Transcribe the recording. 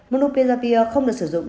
hai bonupiravir không được sử dụng